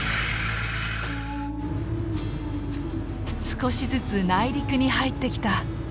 少しずつ内陸に入ってきた。